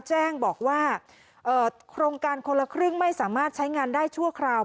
แจ้งบอกว่าโครงการคนละครึ่งไม่สามารถใช้งานได้ชั่วคราว